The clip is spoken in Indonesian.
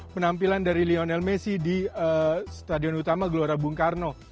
penampilan dari lionel messi di stadion utama gelora bung karno